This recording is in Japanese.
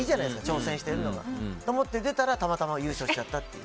挑戦してるのは。と思って出たらたまたま優勝しちゃったっていう。